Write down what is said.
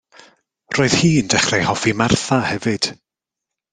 Roedd hi'n dechrau hoffi Martha hefyd.